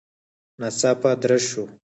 ناڅاپه درز شو.